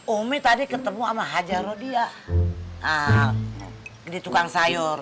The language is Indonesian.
umi tadi ketemu sama haji rodia di tukang sayur